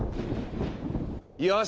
よし！